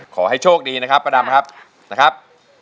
ขอให้โชคดีนะครับประดับนะครับ